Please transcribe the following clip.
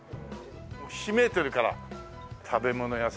ひしめいてるから食べ物屋さんで。